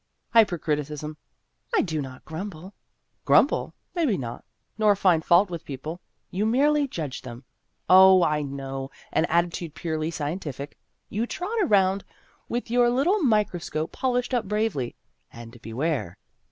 " Hypercriticism." " I do not grumble." " Grumble ? Maybe not. Nor find fault with people. You merely judge them. Oh, I know an attitude purely scientific. You trot around with your little micro scope polished up bravely, and beware